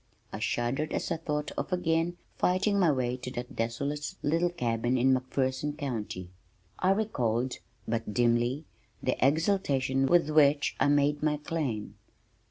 I shuddered as I thought of again fighting my way to that desolate little cabin in McPherson County. I recalled but dimly the exultation with which I had made my claim.